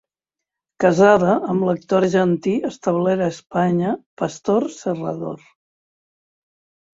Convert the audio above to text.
Casada amb l'actor argentí establert a Espanya Pastor Serrador.